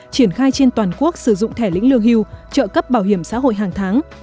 triển khai trên toàn quốc sử dụng thẻ lĩnh lương hưu trợ cấp bảo hiểm xã hội hàng tháng